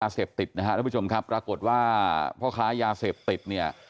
เสพติดนะฮะทุกผู้ชมครับปรากฏว่าพ่อค้ายาเสพติดเนี่ย